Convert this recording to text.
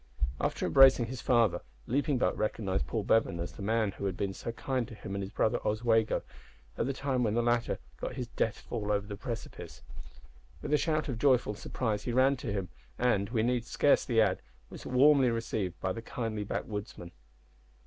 After embracing his father, Leaping Buck recognised Paul Bevan as the man who had been so kind to him and his brother Oswego at the time when the latter got his death fall over the precipice. With a shout of joyful surprise he ran to him, and, we need scarcely add, was warmly received by the kindly backwoodsman.